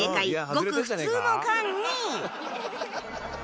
ごく普通の缶に